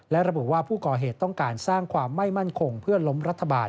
และระบุว่าผู้ก่อเหตุต้องการสร้างความไม่มั่นคงเพื่อล้มรัฐบาล